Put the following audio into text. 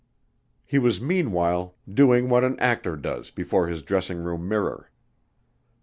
He was meanwhile doing what an actor does before his dressing room mirror.